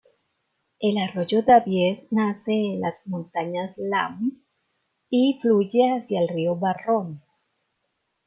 El arroyo Davies nace en los montañas Lamb y fluye hacia el río Barron.